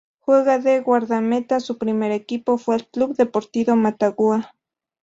Juega de guardameta, su primer equipo fue el Club Deportivo Motagua.